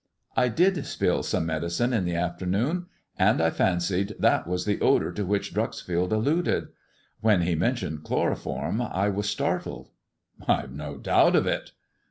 I did spill some mediciae in the afternoon and I fancied that was the odour to which "Eieaed her lover before them bJI." Dreuifield alluded. When he mentioned chloroform I was startled." " I've no doubt of it."